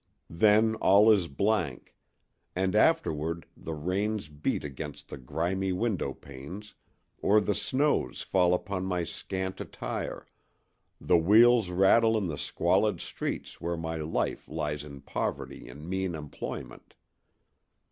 Then all is blank; and afterward the rains beat against the grimy window panes, or the snows fall upon my scant attire, the wheels rattle in the squalid streets where my life lies in poverty and mean employment.